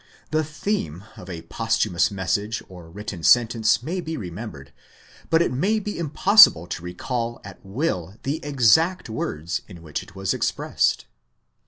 The theme of a posthumous message or written sen tence may be remembered, but it may be impossible to recall at will the exact words in which it was expressed.